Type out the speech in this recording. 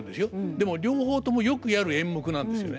でも両方ともよくやる演目なんですよね。